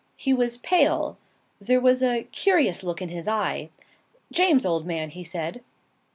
He was pale. There was a curious look in his eye. "James, old man," he said.